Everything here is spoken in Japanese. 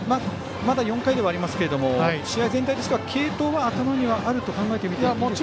まだ４回ではありますけど試合全体としては継投は頭にあると考えてもいいでしょうか。